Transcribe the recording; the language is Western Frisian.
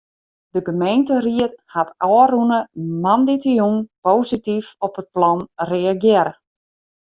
De gemeenteried hat ôfrûne moandeitejûn posityf op it plan reagearre.